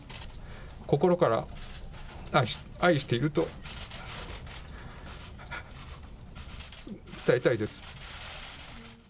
心から愛していると伝えたいです。